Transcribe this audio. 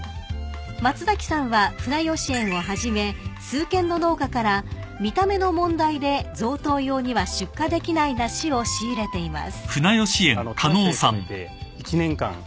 ［松さんは船芳園をはじめ数軒の農家から見た目の問題で贈答用には出荷できない梨を仕入れています］